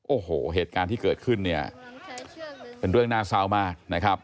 โอ้โหเหตุการณ์ที่เกิดขึ้นเนี่ยเป็นเรื่องน่าเศร้ามากนะครับ